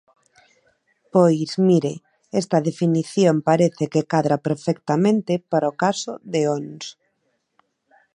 Pois, mire, esta definición parece que cadra perfectamente para o caso de Ons.